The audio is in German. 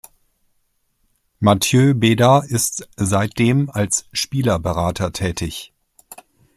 Mathieu Beda ist seitdem als Spielerberater tätig.